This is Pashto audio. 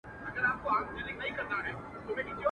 له کوچۍ پېغلي سره نه ځي د کېږدۍ سندري.